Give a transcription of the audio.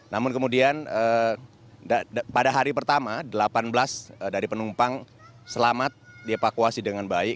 namun kemudian pada hari pertama delapan belas dari penumpang selamat dievakuasi dengan baik